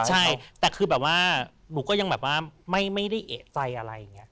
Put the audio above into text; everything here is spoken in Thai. ใช่แต่คือแบบว่าหนูก็ยังแบบว่าไม่ได้เอกใจอะไรอย่างนี้